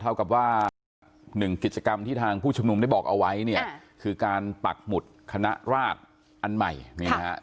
เท่ากับว่าหนึ่งกิจกรรมที่ทางผู้ชุมนุมได้บอกเอาไว้เนี่ยคือการปักหมุดคณะราชอันใหม่นี่นะฮะ